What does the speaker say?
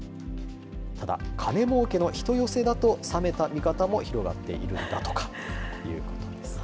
ただ、金もうけの人寄せだと、冷めた見方も広がっているんだとかということですね。